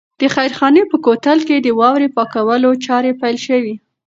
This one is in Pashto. د خیرخانې په کوتل کې د واورې پاکولو چارې پیل شوې.